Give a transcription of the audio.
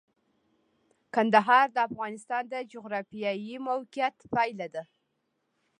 کندهار د افغانستان د جغرافیایي موقیعت پایله ده.